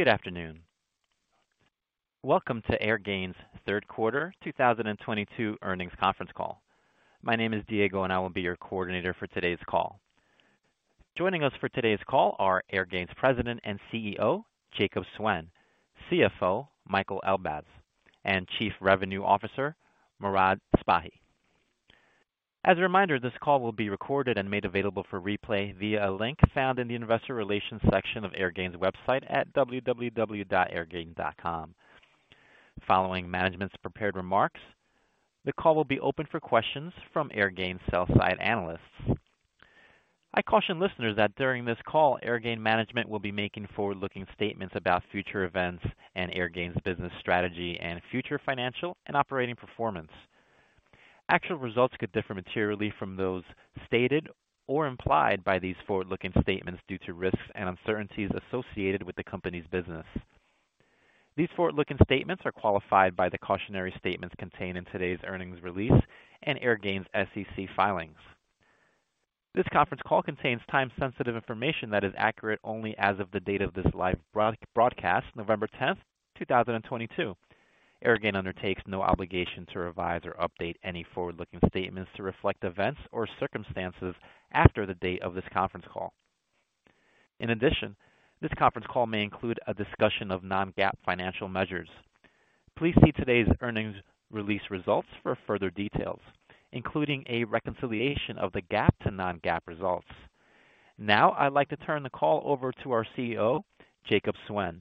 Good afternoon. Welcome to Airgain's third quarter 2022 earnings conference call. My name is Diego, and I will be your coordinator for today's call. Joining us for today's call are Airgain's President and CEO, Jacob Suen; CFO, Michael Elbaz; and Chief Revenue Officer, Morad Sbahi. As a reminder, this call will be recorded and made available for replay via a link found in the investor relations section of Airgain's website at www.airgain.com. Following management's prepared remarks, the call will be open for questions from Airgain sell side analysts. I caution listeners that during this call, Airgain management will be making forward-looking statements about future events and Airgain's business strategy and future financial and operating performance. Actual results could differ materially from those stated or implied by these forward-looking statements due to risks and uncertainties associated with the company's business. These forward-looking statements are qualified by the cautionary statements contained in today's earnings release and Airgain's SEC filings. This conference call contains time-sensitive information that is accurate only as of the date of this live broadcast, November tenth, two thousand and twenty-two. Airgain undertakes no obligation to revise or update any forward-looking statements to reflect events or circumstances after the date of this conference call. In addition, this conference call may include a discussion of non-GAAP financial measures. Please see today's earnings release results for further details, including a reconciliation of the GAAP to non-GAAP results. Now, I'd like to turn the call over to our CEO, Jacob Suen.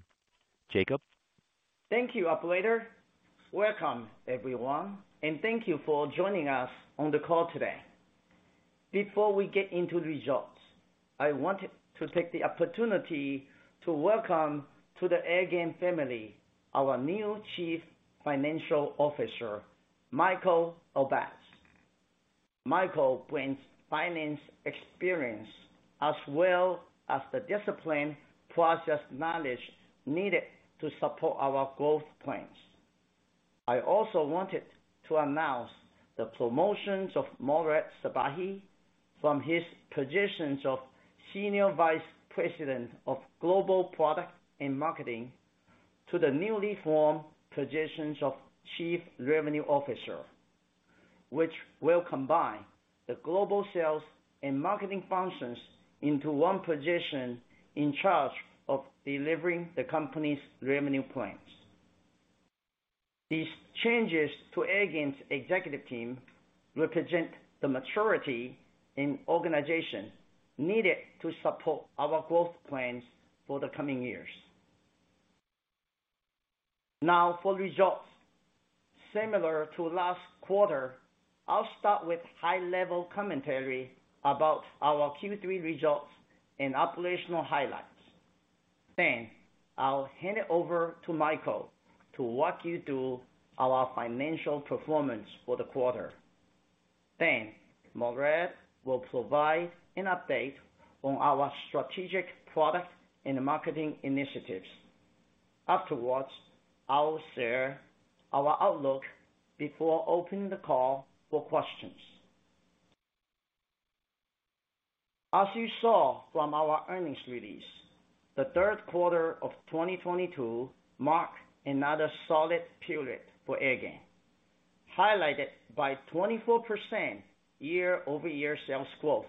Jacob? Thank you, operator. Welcome, everyone, and thank you for joining us on the call today. Before we get into results, I wanted to take the opportunity to welcome to the Airgain family, our new Chief Financial Officer, Michael Elbaz. Michael brings finance experience as well as the disciplined process knowledge needed to support our growth plans. I also wanted to announce the promotions of Morad Sbahi from his positions of Senior Vice President of Global Product and Marketing to the newly formed positions of Chief Revenue Officer, which will combine the global sales and marketing functions into one position in charge of delivering the company's revenue plans. These changes to Airgain's executive team represent the maturity in organization needed to support our growth plans for the coming years. Now for results. Similar to last quarter, I'll start with high-level commentary about our Q3 results and operational highlights. I'll hand it over to Michael to walk you through our financial performance for the quarter. Morad will provide an update on our strategic product and marketing initiatives. Afterwards, I will share our outlook before opening the call for questions. As you saw from our earnings release, the third quarter of 2022 marked another solid period for Airgain, highlighted by 24% year-over-year sales growth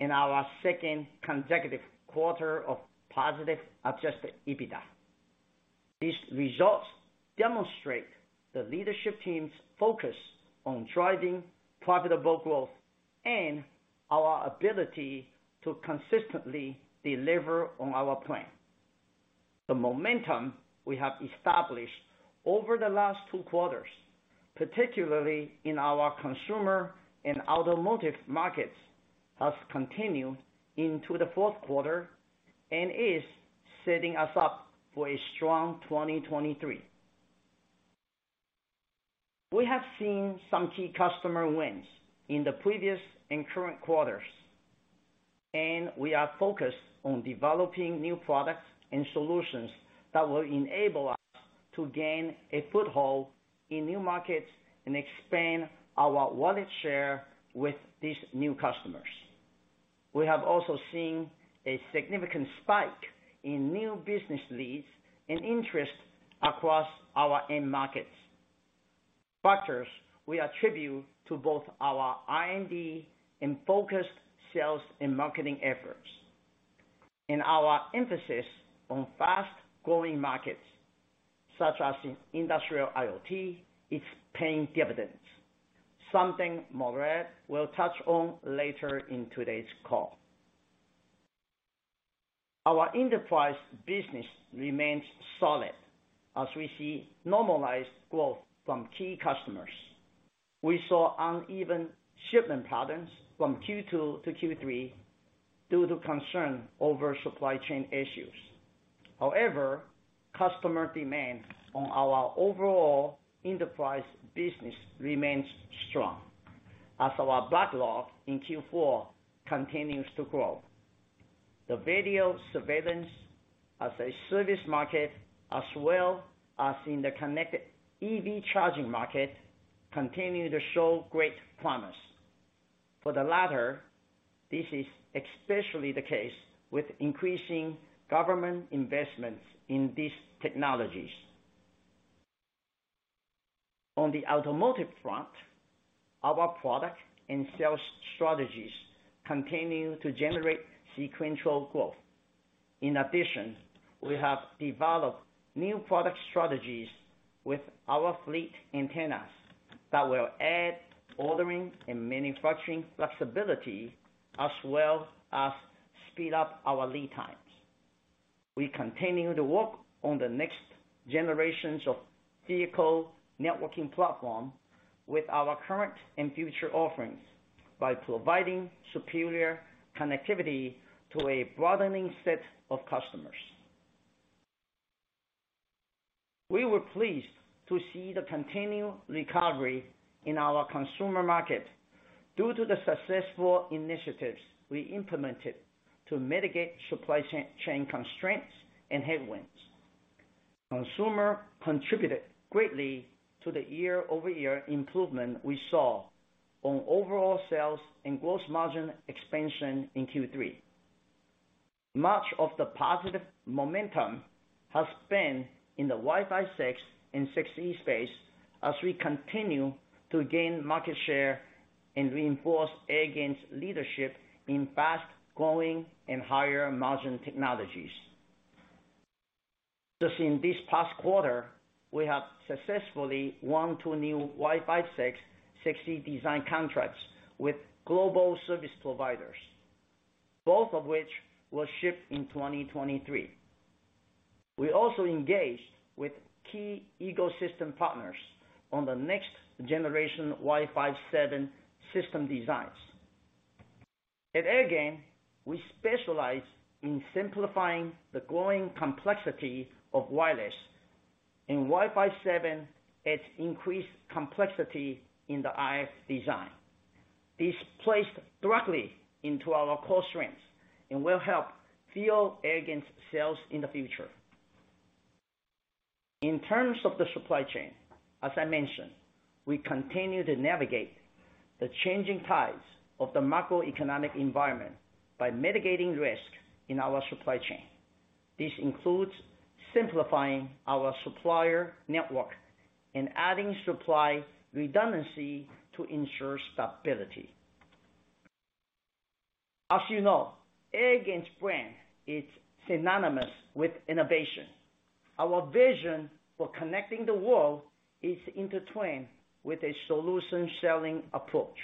and our second consecutive quarter of positive adjusted EBITDA. These results demonstrate the leadership team's focus on driving profitable growth and our ability to consistently deliver on our plan. The momentum we have established over the last two quarters, particularly in our consumer and automotive markets, has continued into the fourth quarter and is setting us up for a strong 2023. We have seen some key customer wins in the previous and current quarters, and we are focused on developing new products and solutions that will enable us to gain a foothold in new markets and expand our wallet share with these new customers. We have also seen a significant spike in new business leads and interest across our end markets. Factors we attribute to both our R&D and focused sales and marketing efforts. Our emphasis on fast-growing markets, such as industrial IoT, is paying dividends, something Morad will touch on later in today's call. Our enterprise business remains solid as we see normalized growth from key customers. We saw uneven shipment patterns from Q2 to Q3 due to concern over supply chain issues. However, customer demand on our overall enterprise business remains strong as our backlog in Q4 continues to grow. The video surveillance as a service market, as well as in the connected EV charging market, continue to show great promise. For the latter, this is especially the case with increasing government investments in these technologies. On the automotive front, our product and sales strategies continue to generate sequential growth. In addition, we have developed new product strategies with our fleet antennas that will add ordering and manufacturing flexibility, as well as speed up our lead times. We continue to work on the next generations of vehicle networking platform with our current and future offerings by providing superior connectivity to a broadening set of customers. We were pleased to see the continued recovery in our consumer market due to the successful initiatives we implemented to mitigate supply chain constraints and headwinds. Consumer contributed greatly to the year-over-year improvement we saw on overall sales and gross margin expansion in Q3. Much of the positive momentum has been in the Wi-Fi 6 and Wi-Fi 6E space as we continue to gain market share and reinforce Airgain's leadership in fast-growing and higher margin technologies. Just in this past quarter, we have successfully won two new Wi-Fi 6, Wi-Fi 6E design contracts with global service providers, both of which will ship in 2023. We also engaged with key ecosystem partners on the next generation Wi-Fi 7 system designs. At Airgain, we specialize in simplifying the growing complexity of wireless. In Wi-Fi 7, it's increased complexity in the RF design. This plays directly into our core strengths and will help fuel Airgain's sales in the future. In terms of the supply chain, as I mentioned, we continue to navigate the changing tides of the macroeconomic environment by mitigating risk in our supply chain. This includes simplifying our supplier network and adding supply redundancy to ensure stability. As you know, Airgain's brand is synonymous with innovation. Our vision for connecting the world is intertwined with a solution-selling approach.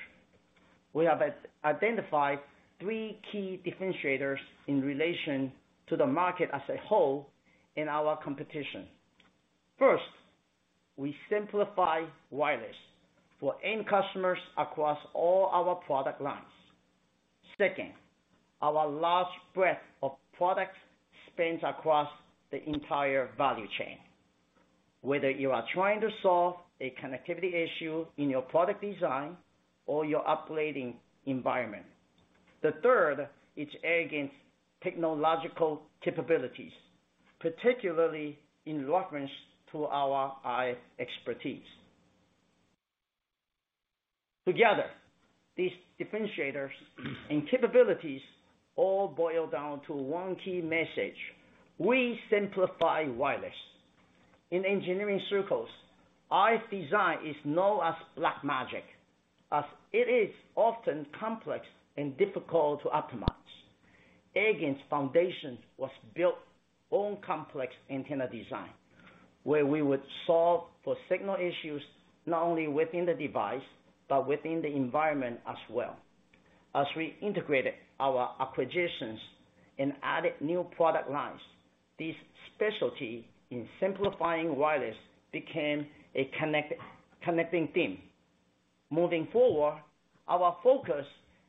We have identified three key differentiators in relation to the market as a whole in our competition. First, we simplify wireless for end customers across all our product lines. Second, our large breadth of products spans across the entire value chain, whether you are trying to solve a connectivity issue in your product design or your operating environment. The third is Airgain's technological capabilities, particularly in reference to our RF expertise. Together, these differentiators and capabilities all boil down to one key message: we simplify wireless. In engineering circles, RF design is known as black magic, as it is often complex and difficult to optimize. Airgain's foundation was built on complex antenna design, where we would solve for signal issues not only within the device, but within the environment as well. As we integrated our acquisitions and added new product lines, this specialty in simplifying wireless became a connecting theme. Moving forward, our focus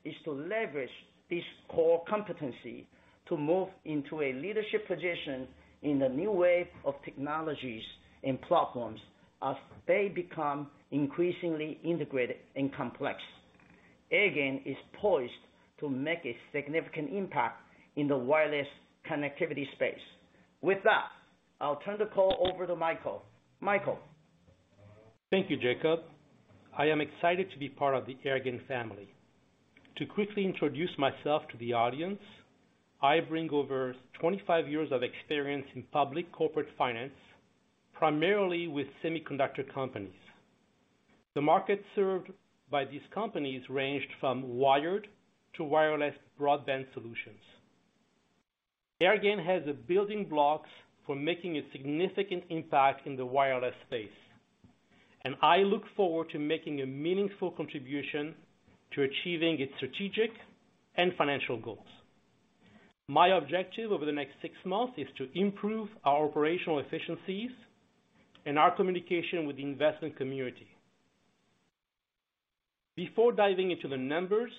is to leverage this core competency to move into a leadership position in the new wave of technologies and platforms as they become increasingly integrated and complex. Airgain is poised to make a significant impact in the wireless connectivity space. With that, I'll turn the call over to Michael. Michael? Thank you, Jacob. I am excited to be part of the Airgain family. To quickly introduce myself to the audience, I bring over 25 years of experience in public corporate finance, primarily with semiconductor companies. The market served by these companies ranged from wired to wireless broadband solutions. Airgain has the building blocks for making a significant impact in the wireless space, and I look forward to making a meaningful contribution to achieving its strategic and financial goals. My objective over the next six months is to improve our operational efficiencies and our communication with the investment community. Before diving into the numbers,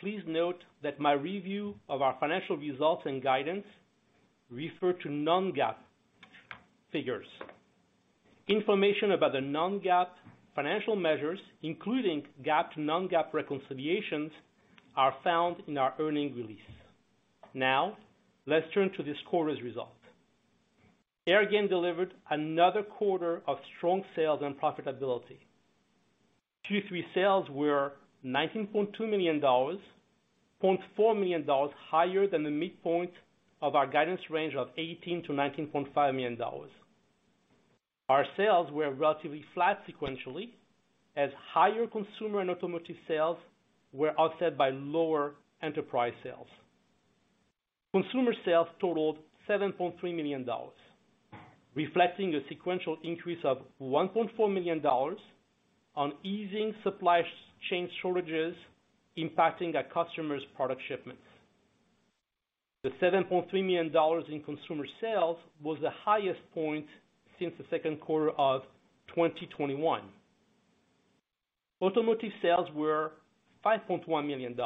please note that my review of our financial results and guidance refer to non-GAAP figures. Information about the non-GAAP financial measures, including GAAP to non-GAAP reconciliations, are found in our earnings release. Now, let's turn to this quarter's results. Airgain delivered another quarter of strong sales and profitability. Q3 sales were $19.2 million, $0.4 million higher than the midpoint of our guidance range of $18 million-$19.5 million. Our sales were relatively flat sequentially, as higher consumer and automotive sales were offset by lower enterprise sales. Consumer sales totaled $7.3 million, reflecting a sequential increase of $1.4 million on easing supply chain shortages impacting our customer's product shipments. The $7.3 million in consumer sales was the highest point since the second quarter of 2021. Automotive sales were $5.1 million,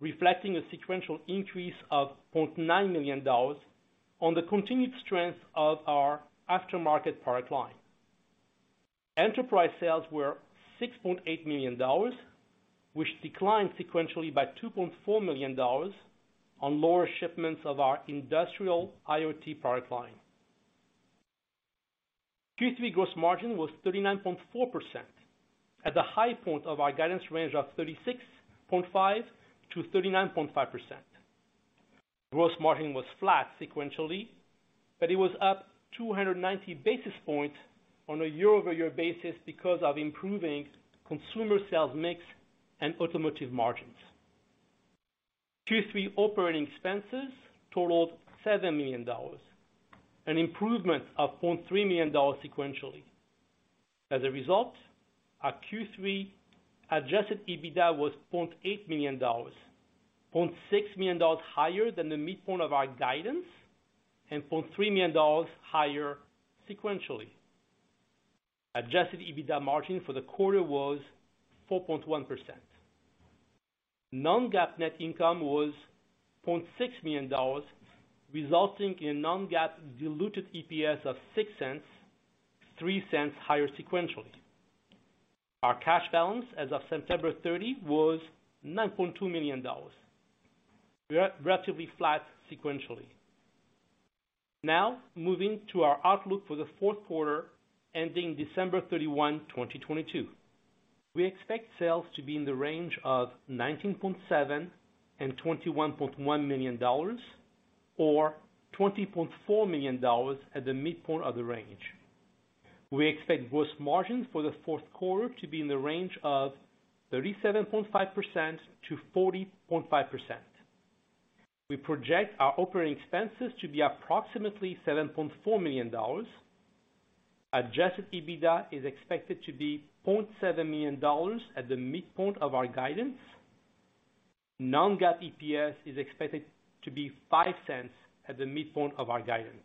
reflecting a sequential increase of $0.9 million on the continued strength of our aftermarket product line. Enterprise sales were $6.8 million, which declined sequentially by $2.4 million on lower shipments of our industrial IoT product line. Q3 gross margin was 39.4% at the high point of our guidance range of 36.5%-39.5%. Gross margin was flat sequentially, but it was up 290 basis points on a year-over-year basis because of improving consumer sales mix and automotive margins. Q3 operating expenses totaled $7 million, an improvement of $0.3 million sequentially. As a result, our Q3 adjusted EBITDA was $0.8 million, $0.6 million higher than the midpoint of our guidance, and $0.3 million higher sequentially. Adjusted EBITDA margin for the quarter was 4.1%. non-GAAP net income was $0.6 million, resulting in non-GAAP diluted EPS of $0.06, $0.03 higher sequentially. Our cash balance as of September 30 was $9.2 million. We are relatively flat sequentially. Now, moving to our outlook for the fourth quarter ending December 31, 2022. We expect sales to be in the range of $19.7 million-$21.1 million, or $20.4 million at the midpoint of the range. We expect gross margins for the fourth quarter to be in the range of 37.5%-40.5%. We project our operating expenses to be approximately $7.4 million. Adjusted EBITDA is expected to be $0.7 million at the midpoint of our guidance. Non-GAAP EPS is expected to be $0.05 at the midpoint of our guidance.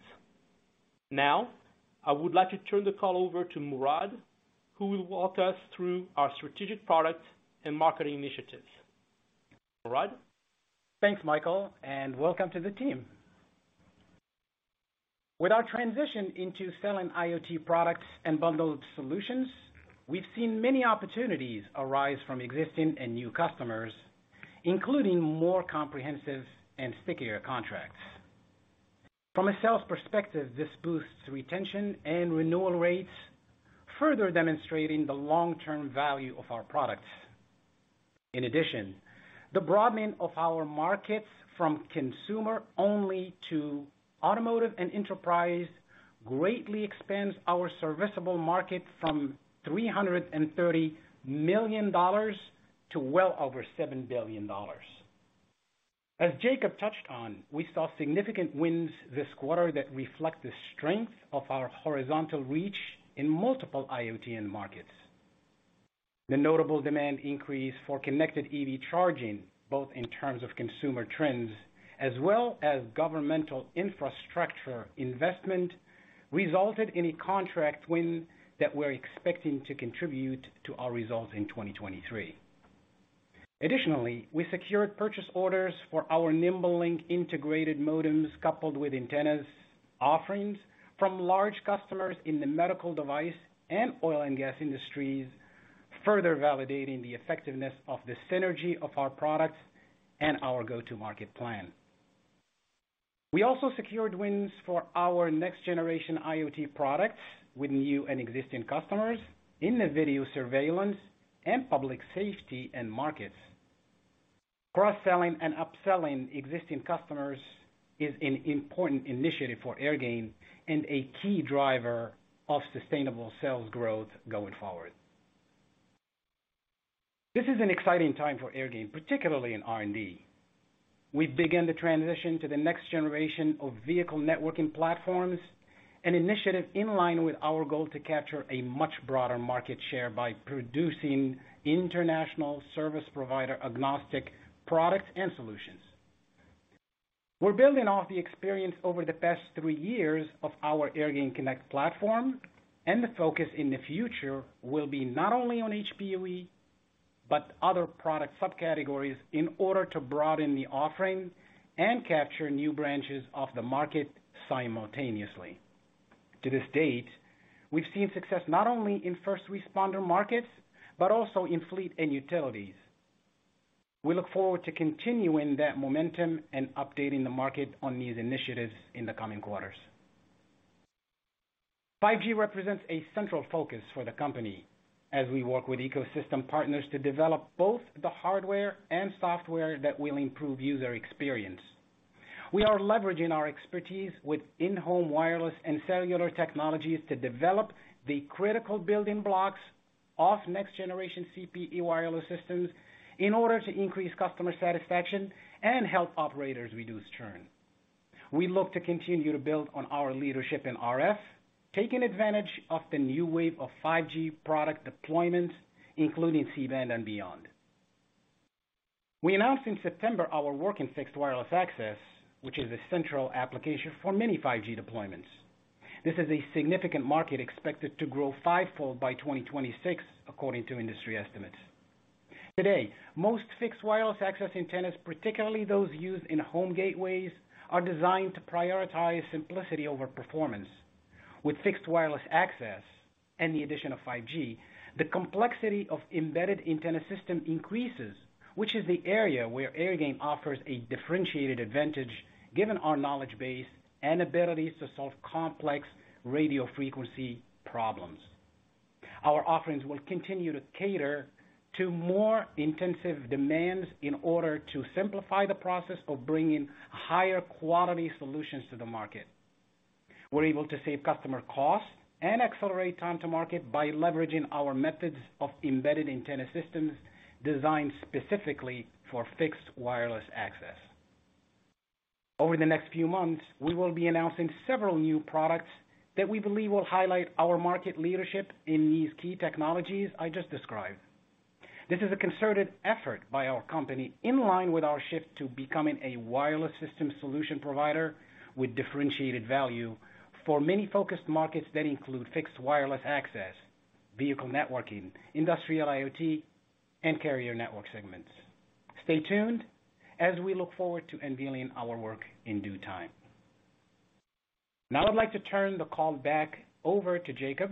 Now, I would like to turn the call over to Morad, who will walk us through our strategic products and marketing initiatives. Morad. Thanks, Michael, and welcome to the team. With our transition into selling IoT products and bundled solutions, we've seen many opportunities arise from existing and new customers, including more comprehensive and stickier contracts. From a sales perspective, this boosts retention and renewal rates, further demonstrating the long-term value of our products. In addition, the broadening of our markets from consumer only to automotive and enterprise greatly expands our serviceable market from $330 million to well over $7 billion. As Jacob touched on, we saw significant wins this quarter that reflect the strength of our horizontal reach in multiple IoT end markets. The notable demand increase for connected EV charging, both in terms of consumer trends as well as governmental infrastructure investment, resulted in a contract win that we're expecting to contribute to our results in 2023. Additionally, we secured purchase orders for our NimbeLink integrated modems coupled with antennas offerings from large customers in the medical device and oil and gas industries, further validating the effectiveness of the synergy of our products and our go-to market plan. We also secured wins for our next generation IoT products with new and existing customers in the video surveillance and public safety end markets. Cross-selling and upselling existing customers is an important initiative for Airgain and a key driver of sustainable sales growth going forward. This is an exciting time for Airgain, particularly in R&D. We began the transition to the next generation of vehicle networking platforms, an initiative in line with our goal to capture a much broader market share by producing international service provider agnostic products and solutions. We're building off the experience over the past three years of our AirgainConnect platform, and the focus in the future will be not only on HPUE, but other product subcategories in order to broaden the offering and capture new branches of the market simultaneously. To this date, we've seen success not only in first responder markets, but also in fleet and utilities. We look forward to continuing that momentum and updating the market on these initiatives in the coming quarters. 5G represents a central focus for the company as we work with ecosystem partners to develop both the hardware and software that will improve user experience. We are leveraging our expertise with in-home wireless and cellular technologies to develop the critical building blocks of next generation CPE wireless systems in order to increase customer satisfaction and help operators reduce churn. We look to contiue to build on our leadership in RF, taking advantage of the new wave of 5G product deployments, including C-band and beyond. We announced in September our work in fixed wireless access, which is a central application for many 5G deployments. This is a significant market expected to grow five-fold by 2026 according to industry estimates. Today, most fixed wireless access antennas, particularly those used in home gateways, are designed to prioritize simplicity over performance. With fixed wireless access and the addition of 5G, the complexity of embedded antenna system increases, which is the area where Airgain offers a differentiated advantage given our knowledge base and abilities to solve complex radio frequency problems. Our offerings will continue to cater to more intensive demands in order to simplify the process of bringing higher quality solutions to the market. We're able to save customer costs and accelerate time to market by leveraging our methods of embedded antenna systems designed specifically for fixed wireless access. Over the next few months, we will be announcing several new products that we believe will highlight our market leadership in these key technologies I just described. This is a concerted effort by our company in line with our shift to becoming a wireless system solution provider with differentiated value for many focused markets that include fixed wireless access, vehicle networking, industrial IoT, and carrier network segments. Stay tuned as we look forward to unveiling our work in due time. Now I'd like to turn the call back over to Jacob.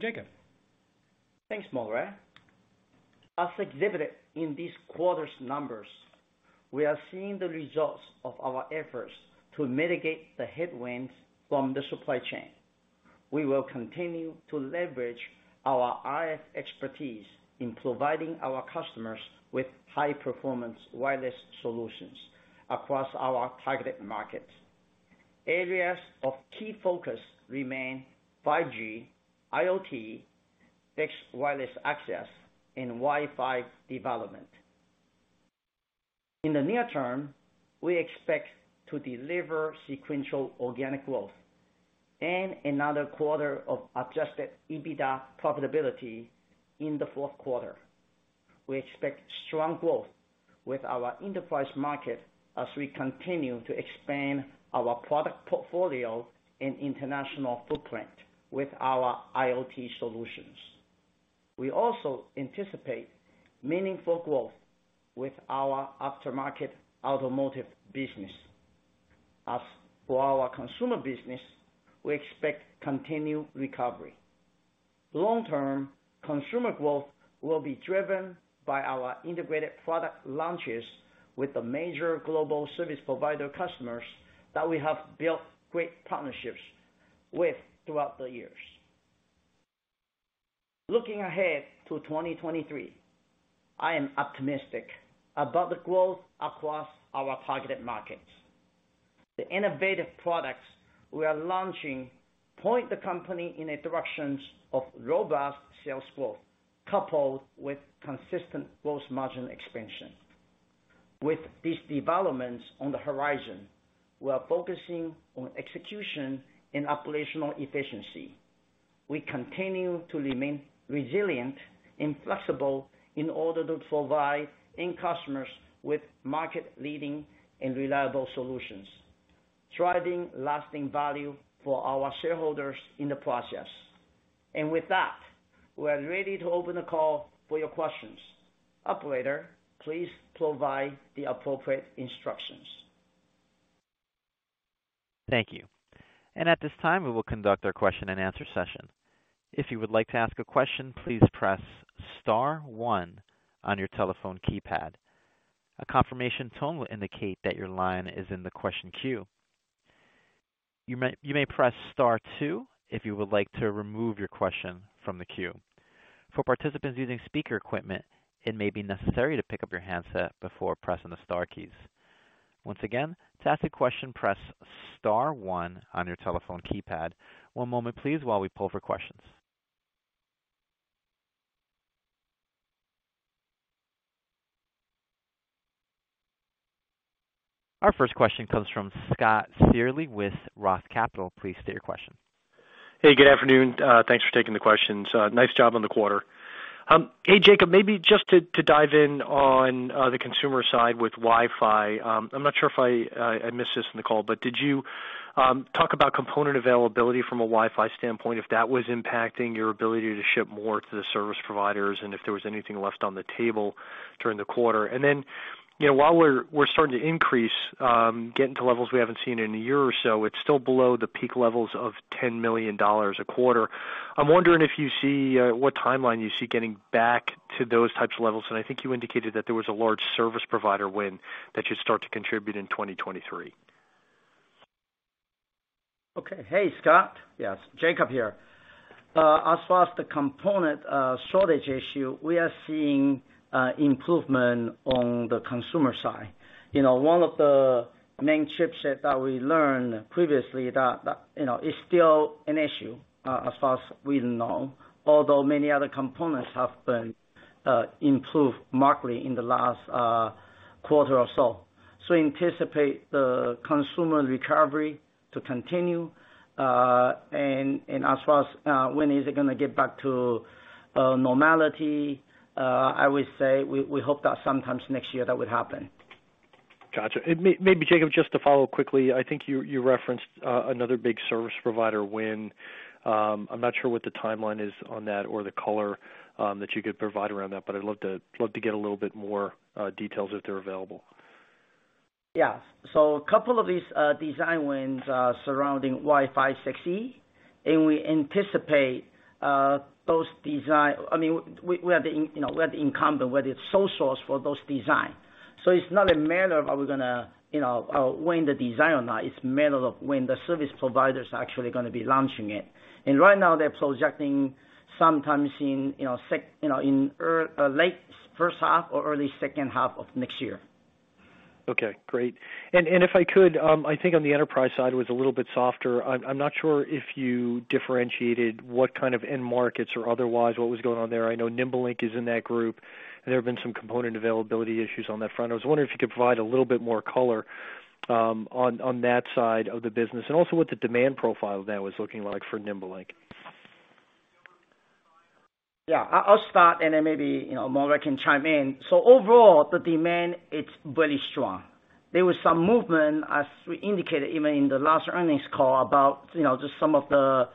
Jacob. Thanks, Morad. As exhibited in this quarter's numbers, we are seeing the results of our efforts to mitigate the headwinds from the supply chain. We will continue to leverage our RF expertise in providing our customers with high performance wireless solutions across our targeted markets. Areas of key focus remain 5G, IoT, fixed wireless access, and Wi-Fi development. In the near term, we expect to deliver sequential organic growth and another quarter of adjusted EBITDA profitability in the fourth quarter. We expect strong growth with our enterprise market as we continue to expand our product portfolio and international footprint with our IoT solutions. We also anticipate meaningful growth with our aftermarket automotive business. As for our consumer business, we expect continued recovery. Long-term consumer growth will be driven by our integrated product launches with the major global service provider customers that we have built great partnerships with throughout the years. Looking ahead to 2023, I am optimistic about the growth across our targeted markets. The innovative products we are launching point the company in a direction of robust sales growth, coupled with consistent gross margin expansion. With these developments on the horizon, we are focusing on execution and operational efficiency. We continue to remain resilient and flexible in order to provide end customers with market-leading and reliable solutions, driving lasting value for our shareholders in the process. With that, we are ready to open the call for your questions. Operator, please provide the appropriate instructions. Thank you. At this time, we will conduct our question and answer session. If you would like to ask a question, please press star one on your telephone keypad. A confirmation tone will indicate that your line is in the question queue. You may press star two if you would like to remove your question from the queue. For participants using speaker equipment, it may be necessary to pick up your handset before pressing the star keys. Once again, to ask a question, press star one on your telephone keypad. One moment please while we pull for questions. Our first question comes from Scott Searle with Roth Capital. Please state your question. Hey, good afternoon. Thanks for taking the questions. Nice job on the quarter. Hey, Jacob, maybe just to dive in on the consumer side with Wi-Fi. I'm not sure if I missed this in the call, but did you talk about component availability from a Wi-Fi standpoint, if that was impacting your ability to ship more to the service providers, and if there was anything left on the table during the quarter? You know, while we're starting to increase, getting to levels we haven't seen in a year or so, it's still below the Peak levels of $10 million a quarter. I'm wondering if you see what timeline you see getting back to those types of levels. I think you indicated that there was a large service provider win that should start to contribute in 2023. Okay. Hey, Scott. Yes, Jacob here. As far as the component shortage issue, we are seeing improvement on the consumer side. You know, one of the main chipset that we learned previously that you know is still an issue, as far as we know, although many other components have been improved markedly in the last quarter or so. Anticipate the consumer recovery to continue. As far as when is it gonna get back to normality, I would say we hope that sometime next year that would happen. Gotcha. Maybe, Jacob, just to follow quickly, I think you referenced another big service provider win. I'm not sure what the timeline is on that or the color that you could provide around that, but I'd love to get a little bit more details if they're available. Yeah. A couple of these design wins are surrounding Wi-Fi 6E, and we anticipate. I mean, we are the incumbent, whether it's sole source for those design. It's not a matter of are we gonna, you know, win the design or not, it's matter of when the service provider is actually gonna be launching it. Right now they're projecting sometimes in, you know, late first half or early second half of next year. Okay, great. If I could, I think on the enterprise side was a little bit softer. I'm not sure if you differentiated what kind of end markets or otherwise what was going on there. I know NimbeLink is in that group, and there have been some component availability issues on that front. I was wondering if you could provide a little bit more color on that side of the business, and also what the demand profile of that was looking like for NimbeLink. Yeah. I'll start and then maybe, you know, Morad can chime in. Overall, the demand is very strong. There was some movement, as we indicated, even in the last earnings call about, you know, just some of the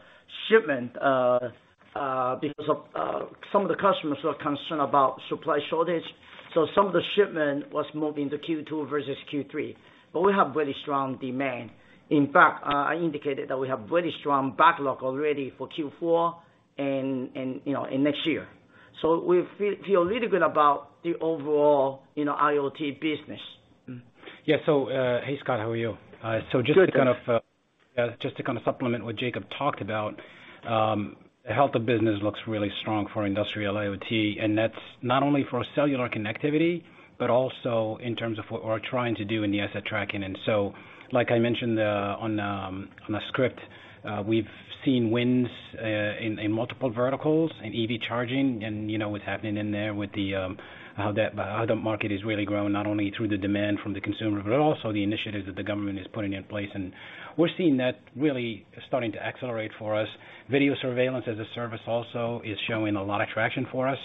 shipment because some of the customers were concerned about supply shortage. Some of the shipment was moved into Q2 versus Q3. We have very strong demand. In fact, I indicated that we have very strong backlog already for Q4 and, you know, in next year. We feel really good about the overall, you know, IoT business. Yeah. Hey, Scott, how are you? Good. Just to kind of supplement what Jacob talked about, the health of business looks really strong for industrial IoT, and that's not only for cellular connectivity, but also in terms of what we're trying to do in the asset tracking. Like I mentioned, on the script, we've seen wins in multiple verticals in EV charging and, you know, what's happening in there with how the market is really growing, not only through the demand from the consumer, but also the initiatives that the government is putting in place. We're seeing that really starting to accelerate for us. Video surveillance as a service also is showing a lot of traction for us.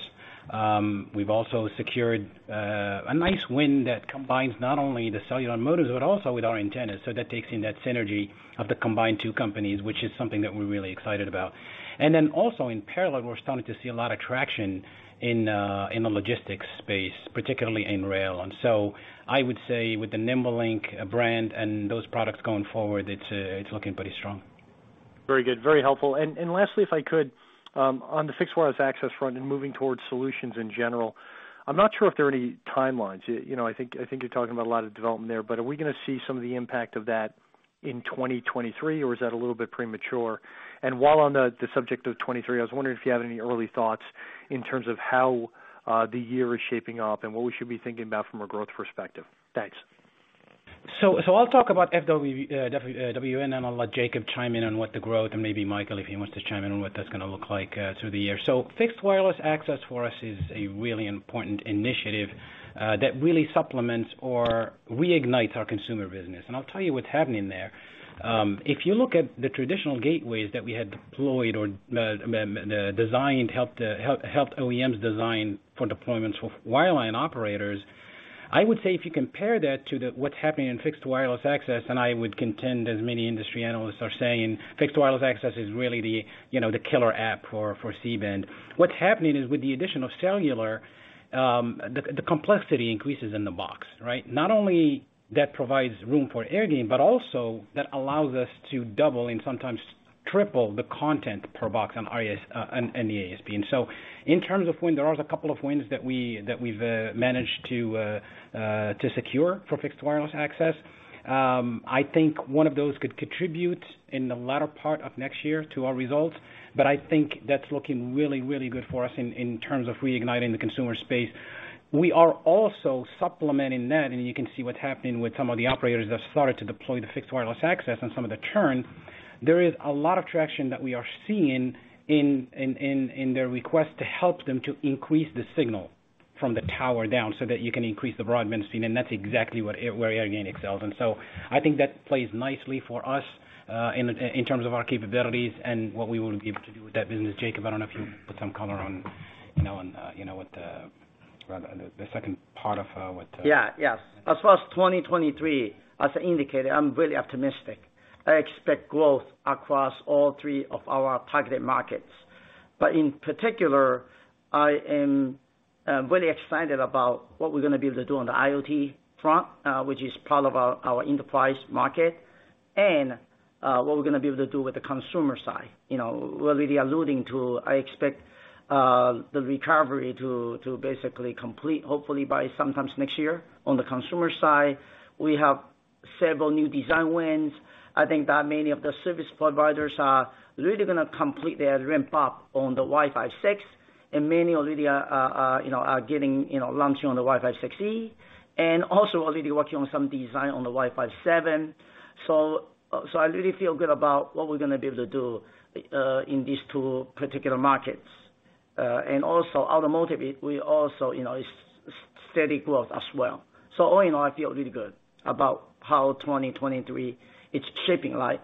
We've also secured a nice win that combines not only the cellular modems but also with our antennas, so that takes in that synergy of the combined two companies, which is something that we're really excited about. Also in parallel, we're starting to see a lot of traction in the logistics space, particularly in rail. I would say with the NimbeLink brand and those products going forward, it's looking pretty strong. Very good. Very helpful. Lastly, if I could, on the fixed wireless access front and moving towards solutions in general, I'm not sure if there are any timelines. You know, I think you're talking about a lot of development there, but are we gonna see some of the impact of that in 2023, or is that a little bit premature? While on the subject of 2023, I was wondering if you have any early thoughts in terms of how the year is shaping up and what we should be thinking about from a growth perspective. Thanks. I'll talk about FWA, and I'll let Jacob chime in on what the growth and maybe Michael, if he wants to chime in on what that's gonna look like through the year. Fixed wireless access for us is a really important initiative that really supplements or reignites our consumer business. I'll tell you what's happening there. If you look at the traditional gateways that we had deployed or designed, helped OEMs design for deployments for wireline operators, I would say if you compare that to what's happening in fixed wireless access, and I would contend, as many industry analysts are saying, fixed wireless access is really the, you know, the killer app for C-band. What's happening is, with the addition of cellular, the complexity increases in the box, right? Not only that provides room for Airgain, but also that allows us to double and sometimes triple the content per box on ASP. In terms of win, there was a couple of wins that we've managed to secure for fixed wireless access. I think one of those could contribute in the latter part of next year to our results, but I think that's looking really good for us in terms of reigniting the consumer space. We are also supplementing that, and you can see what's happening with some of the operators that started to deploy the fixed wireless access and some of the churn. There is a lot of traction that we are seeing in their request to help them increase the signal from the tower down so that you can increase the broadband speed, and that's exactly where Airgain excels. I think that plays nicely for us in terms of our capabilities and what we will be able to do with that business. Jacob, I don't know if you can put some color on, you know, on what the second part of what- Yeah. Yes. As far as 2023, as indicated, I'm really optimistic. I expect growth across all three of our targeted markets. In particular, I am really excited about what we're gonna be able to do on the IoT front, which is part of our enterprise market and what we're gonna be able to do with the consumer side. You know, we're really alluding to. I expect the recovery to basically complete hopefully by sometime next year. On the consumer side, we have several new design wins. I think that many of the service providers are really gonna complete their ramp up on the Wi-Fi 6 and many already are getting, you know, launching on the Wi-Fi 6E and also already working on some design on the Wi-Fi 7. I really feel good about what we're gonna be able to do in these two particular markets. Also automotive, we also, you know, is steady growth as well. All in all, I feel really good about how 2023 is shaping like.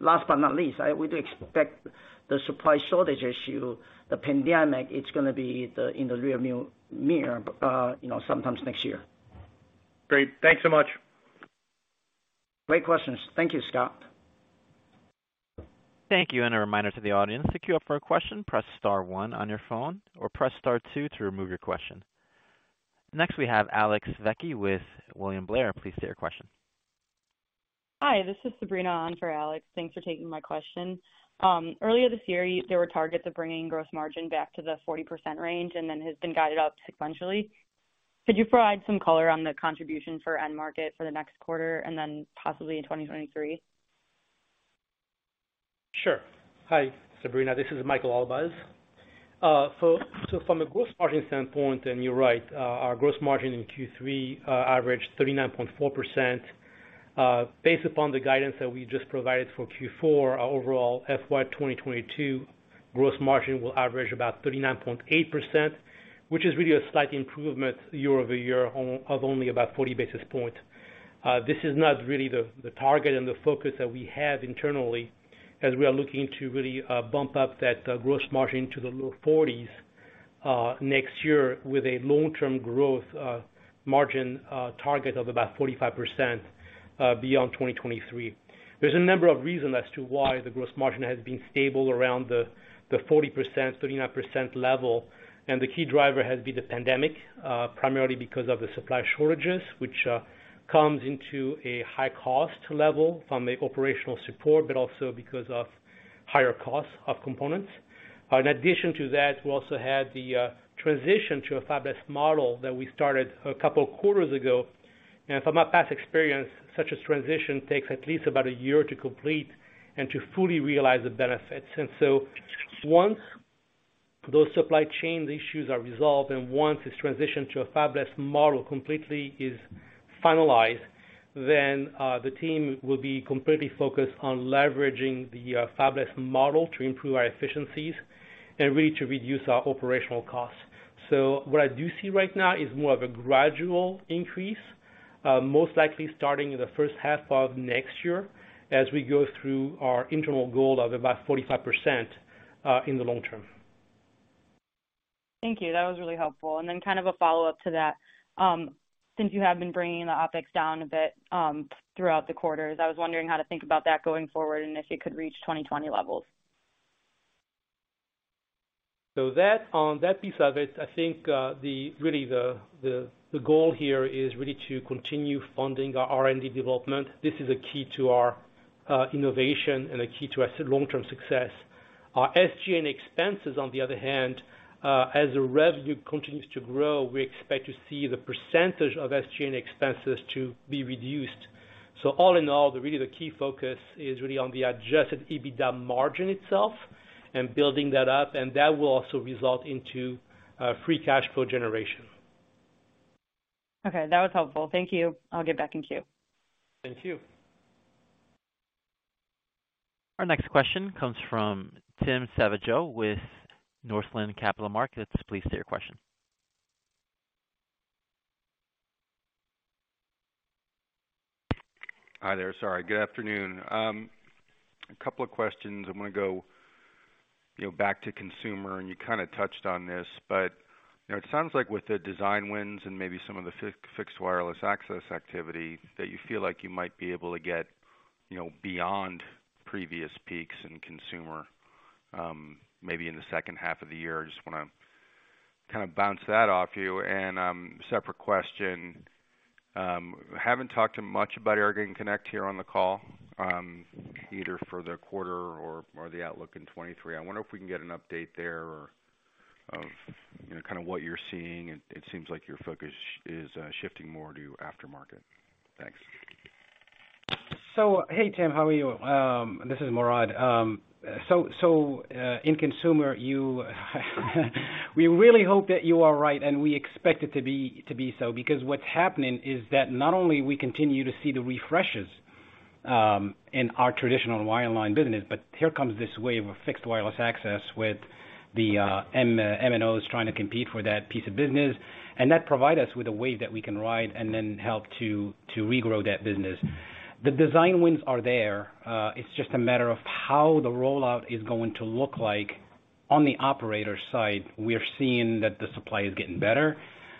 Last but not least, we do expect the supply shortage issue, the pandemic, it's gonna be in the rearview mirror, you know, sometime next year. Great. Thanks so much. Great questions. Thank you, Scott. Thank you, and a reminder to the audience. To queue up for a question, press star one on your phone or press star two to remove your question. Next we have Alex Vecchi with William Blair. Please state your question. Hi, this is Sabrina on for Alex. Thanks for taking my question. Earlier this year, there were targets of bringing gross margin back to the 40% range and then has been guided up sequentially. Could you provide some color on the contribution for end market for the next quarter and then possibly in 2023? Sure. Hi, Sabrina. This is Michael Elbaz. From a gross margin standpoint, and you're right, our gross margin in Q3 averaged 39.4%. Based upon the guidance that we just provided for Q4, our overall FY 2022 gross margin will average about 39.8%, which is really a slight improvement year-over-year of only about 40 basis points. This is not really the target and the focus that we have internally as we are looking to really bump up that gross margin to the low 40s next year with a long-term gross margin target of about 45% beyond 2023. There's a number of reasons as to why the gross margin has been stable around the 40%-39% level, and the key driver has been the pandemic, primarily because of the supply shortages, which contributes to a high cost level from an operational standpoint, but also because of higher costs of components. In addition to that, we also had the transition to a fabless model that we started a couple of quarters ago. From my past experience, such a transition takes at least about a year to complete and to fully realize the benefits. Once those supply chain issues are resolved and once this transition to a fabless model completely is finalized, then the team will be completely focused on leveraging the fabless model to improve our efficiencies and really to reduce our operational costs. What I do see right now is more of a gradual increase, most likely starting in the first half of next year as we go through our internal goal of about 45%, in the long term. Thank you. That was really helpful. Kind of a follow-up to that. Since you have been bringing the OpEx down a bit throughout the quarters, I was wondering how to think about that going forward and if it could reach 2020 levels. That, on that piece of it, I think, the goal here is really to continue funding our R&D development. This is a key to our innovation and a key to our long-term success. Our SG&A expenses, on the other hand, as the revenue continues to grow, we expect to see the percentage of SG&A expenses to be reduced. All in all, the key focus is really on the adjusted EBITDA margin itself and building that up, and that will also result into free cash flow generation. Okay. That was helpful. Thank you. I'll get back in queue. Thank you. Our next question comes from Tim Savageaux with Northland Capital Markets. Please state your question. Hi there. Sorry. Good afternoon. A couple of questions. I'm gonna go, you know, back to consumer, and you kinda touched on this, but, you know, it sounds like with the design wins and maybe some of the fixed wireless access activity that you feel like you might be able to get, you know, beyond previous peaks in consumer, maybe in the second half of the year. I just wanna kind of bounce that off you. Separate question, haven't talked much about AirgainConnect here on the call, either for the quarter or the outlook in 2023. I wonder if we can get an update there or of, you know, kind of what you're seeing. It seems like your focus is shifting more to aftermarket. Thanks. Hey, Tim. How are you? This is Morad. In consumer, you we really hope that you are right, and we expect it to be so, because what's happening is that not only we continue to see the refreshes in our traditional wireline business, but here comes this wave of fixed wireless access with the MNOs trying to compete for that piece of business, and that provide us with a wave that we can ride and then help to regrow that business. The design wins are there. It's just a matter of how the rollout is going to look like. On the operator side, we are seeing that the supply is getting better.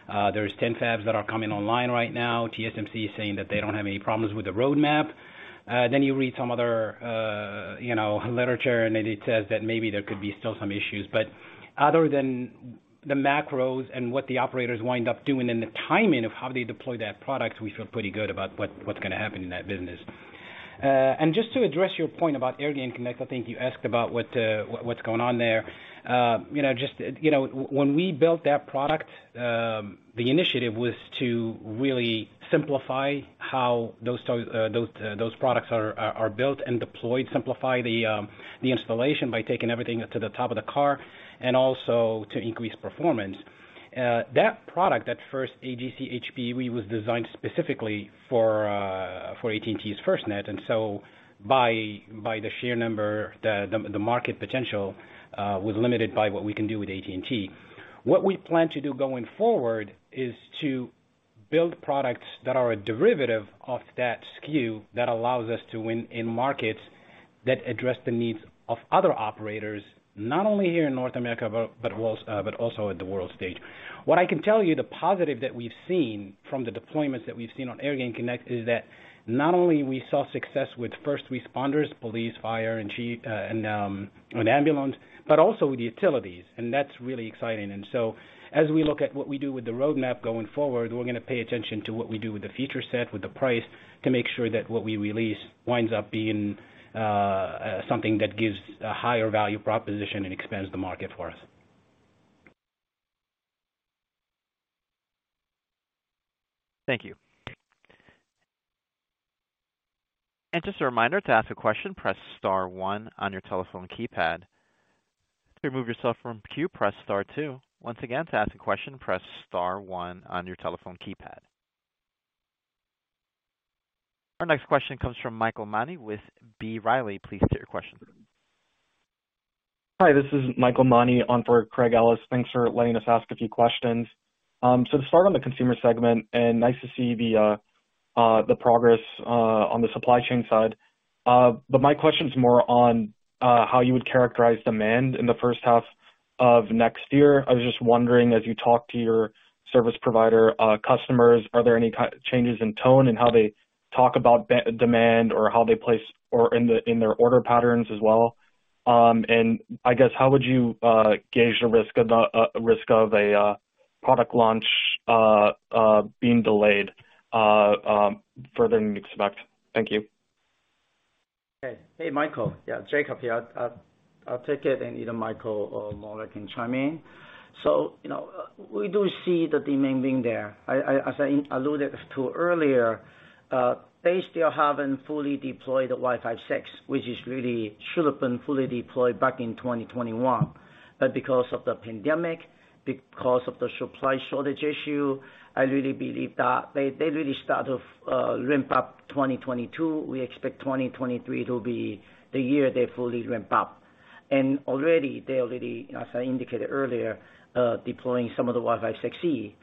There's 10 fabs that are coming online right now. TSMC is saying that they don't have any problems with the roadmap. You read some other, you know, literature, and it says that maybe there could be still some issues, but other than the macros and what the operators wind up doing and the timing of how they deploy that product, we feel pretty good about what's gonna happen in that business. Just to address your point about AirgainConnect, I think you asked about what's going on there. You know, just, you know, when we built that product, the initiative was to really simplify how those products are built and deployed. Simplify the installation by taking everything to the top of the car and also to increase performance. That product, that first AGC HPUE we built was designed specifically for AT&T's FirstNet. By the sheer number, the market potential was limited by what we can do with AT&T. What we plan to do going forward is to build products that are a derivative of that SKU that allows us to win in markets that address the needs of other operators, not only here in North America, but also at the world stage. What I can tell you, the positive that we've seen from the deployments that we've seen on AirgainConnect is that not only we saw success with first responders, police, fire, and ambulance, but also with the utilities. That's really exciting. As we look at what we do with the roadmap going forward, we're gonna pay attention to what we do with the feature set, with the price to make sure that what we release winds up being something that gives a higher value proposition and expands the market for us. Thank you. Just a reminder, to ask a question, press star one on your telephone keypad. To remove yourself from queue, press star two. Once again, to ask a question, press star one on your telephone keypad. Our next question comes from Michael Mani with B. Riley. Please state your question. Hi, this is Michael Mani on for Craig Ellis. Thanks for letting us ask a few questions. To start on the consumer segment and nice to see the progress on the supply chain side. My question is more on how you would characterize demand in the first half of next year. I was just wondering, as you talk to your service provider customers, are there any changes in tone in how they talk about demand or how they place or in their order patterns as well? I guess how would you gauge the risk of a product launch being delayed further than you expect? Thank you. Hey. Hey, Michael. Yeah, Jacob here. I'll take it and either Michael or Morad can chime in. You know, we do see the demand being there. As I alluded to earlier, they still haven't fully deployed the Wi-Fi 6, which is really should have been fully deployed back in 2021. Because of the pandemic, because of the supply shortage issue, I really believe that they really start to ramp up 2022. We expect 2023 to be the year they fully ramp up. Already, they as I indicated earlier, deploying some of the Wi-Fi 6E.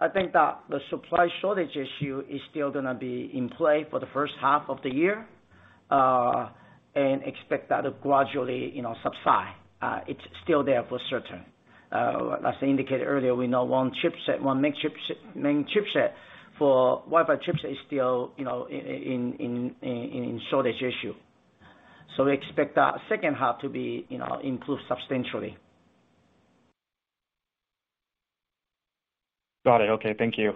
I think that the supply shortage issue is still gonna be in play for the first half of the year, and expect that to gradually, you know, subside. It's still there for certain. As I indicated earlier, we know one chipset, one main chipset for Wi-Fi chipset is still, you know, in shortage issue. We expect that second half to be, you know, improved substantially. Got it. Okay, thank you.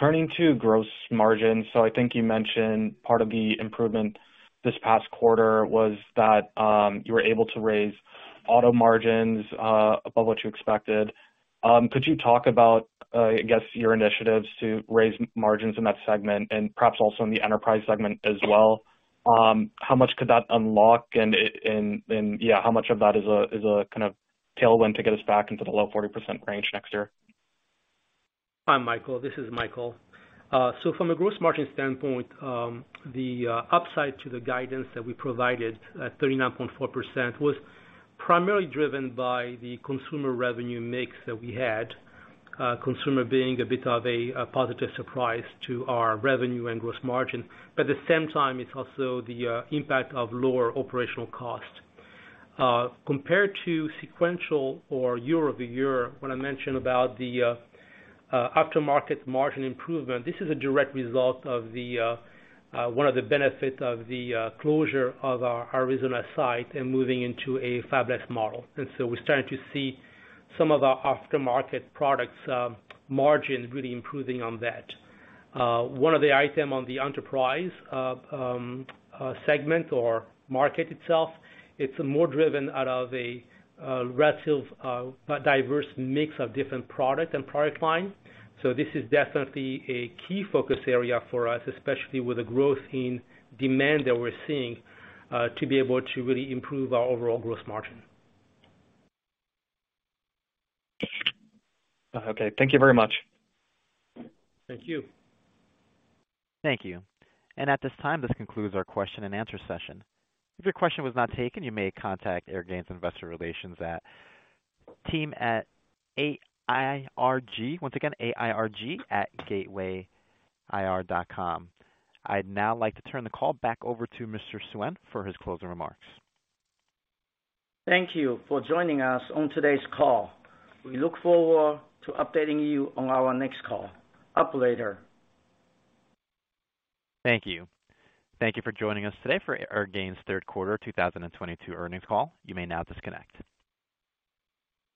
Turning to gross margin. I think you mentioned part of the improvement this past quarter was that you were able to raise auto margins above what you expected. Could you talk about your initiatives to raise margins in that segment and perhaps also in the enterprise segment as well? How much could that unlock and yeah, how much of that is a kind of tailwind to get us back into the low 40% range next year? Hi, Michael. This is Michael. From a gross margin standpoint, the upside to the guidance that we provided at 39.4% was primarily driven by the consumer revenue mix that we had, consumer being a bit of a positive surprise to our revenue and gross margin. At the same time, it's also the impact of lower operational costs. Compared to sequential or year-over-year, when I mention about the aftermarket margin improvement, this is a direct result of one of the benefits of the closure of our Arizona site and moving into a fabless model. We're starting to see some of our aftermarket products margin really improving on that. One of the item on the enterprise segment or market itself, it's more driven out of a relative diverse mix of different product and product line. This is definitely a key focus area for us, especially with the growth in demand that we're seeing to be able to really improve our overall gross margin. Okay. Thank you very much. Thank you. Thank you. At this time, this concludes our question and answer session. If your question was not taken, you may contact Airgain's investor relations team at AIRG, once again, AIRG@gateway-grp.com. I'd now like to turn the call back over to Mr. Suen for his closing remarks. Thank you for joining us on today's call. We look forward to updating you on our next call. Up later. Thank you. Thank you for joining us today for Airgain's third quarter 2022 earnings call. You may now disconnect.